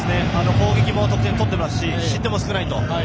攻撃も得点取ってますし失点も少ないと。